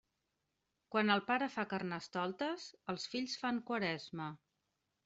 Quan el pare fa Carnestoltes, els fills fan Quaresma.